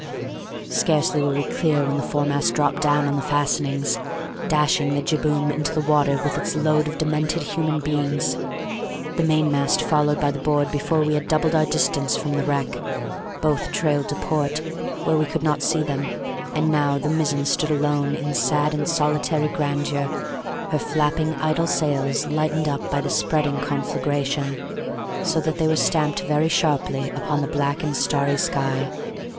Scarcely were we clear when the foremast dropped down on the fastenings, dashing the jib boom into the water with its load of demented human beings. The mainmast followed by the board before we had doubled our distance from the wreck. Both trailed to port, where we could not see them; and now the mizzen stood alone in sad and solitary grandeur, her flapping idle sails lighted up by the spreading conflagration, so that they were stamped very sharply upon the black add starry sky.